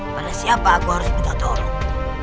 kepada siapa aku harus minta tolong